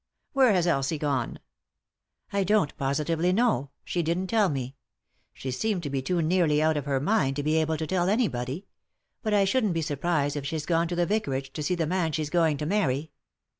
Where has Elsie gone ?"" I don't positively know ; she didn't tell me ; she seemed to be too nearly out of her mind to be able to tell anybody ; but I shouldn't be surprised if she's gone to the vicarage to see the man she's going to marry."